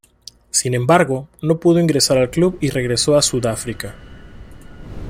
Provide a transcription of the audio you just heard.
Sin embargo, no pudo ingresar al club y regresó a Sudáfrica.